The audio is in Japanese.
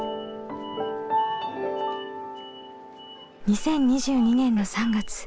２０２２年の３月。